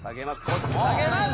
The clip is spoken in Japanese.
こっち下げます